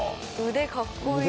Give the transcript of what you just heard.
腕かっこいい。